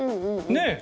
ねえ？